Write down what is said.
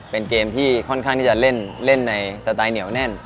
เป็นเกมที่ค่อนข้างที่จะเล่นในสไตล์เหนียวแน่น